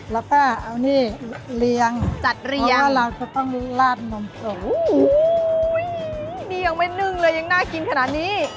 แล้วก็เอานี่เหลียงเพราะว่าเราจะต้องลาดนมโหเหลียงไม่นึงเลยยังน่ากินขนาดนี้